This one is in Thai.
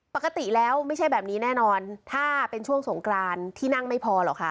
ปกติแล้วไม่ใช่แบบนี้แน่นอนถ้าเป็นช่วงสงกรานที่นั่งไม่พอหรอกค่ะ